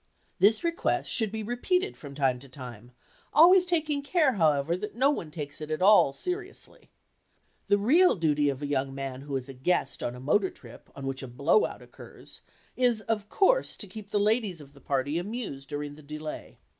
This request should be repeated from time to time, always taking care, however, that no one takes it at all seriously. The real duty of a young man who is a "guest" on a motor trip on which a "blow out" occurs is, of course, to keep the ladies of the party amused during the delay.